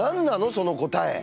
その答え！